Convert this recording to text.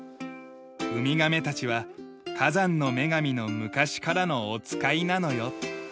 ウミガメたちは火山の女神の昔からのお使いなのよと。